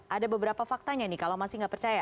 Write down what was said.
ada beberapa faktanya nih kalau masih nggak percaya